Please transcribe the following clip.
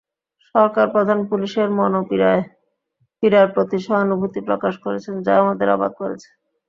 সরকারপ্রধান পুলিশের মনোপীড়ার প্রতি সহানুভূতি প্রকাশ করেছেন, যা আমাদের অবাক করেছে।